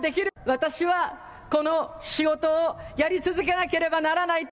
私はこの仕事をやり続けなければならない。